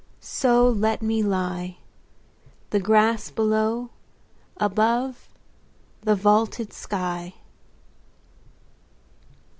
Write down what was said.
So let me lie,— The grass below; above, the vaulted sky.